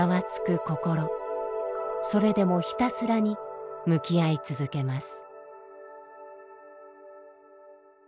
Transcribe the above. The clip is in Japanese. それでもひたすらに向き合い続けます。